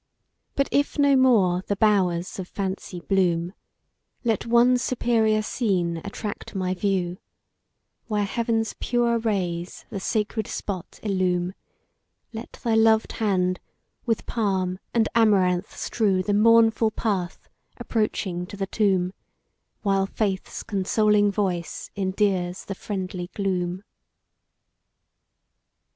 But if no more the bowers of Fancy bloom, Let one superior scene attract my view, Where heaven's pure rays the sacred spot illume, Let thy loved hand with palm and amaranth strew The mournful path approaching to the tomb, While Faith's consoling voice endears the friendly gloom.